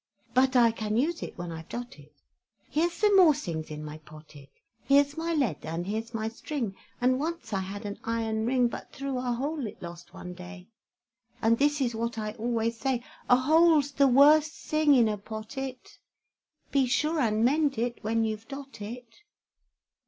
But I can use it when I've dot it. Here's some more sings in my pottet, Here's my lead, and here's my string; And once I had an iron ring, But through a hole it lost one day, And this is what I always say A hole's the worst sing in a pottet, Be sure and mend it when you've dot it.